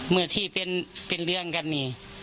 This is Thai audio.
เมื่อที่เป็นเรื่องกันนี่